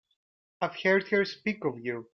I've heard her speak of you.